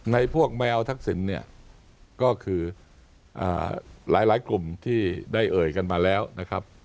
พวกแมวทักษิณเนี่ยก็คือหลายกลุ่มที่ได้เอ่ยกันมาแล้วนะครับ